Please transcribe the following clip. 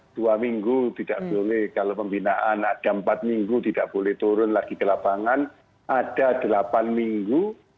dua minggu tidak boleh kalau pembinaan ada empat minggu tidak boleh turun lagi ke lapangan ada delapan minggu